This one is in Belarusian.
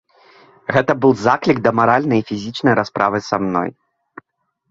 Гэта быў заклік да маральнай і фізічнай расправы са мной.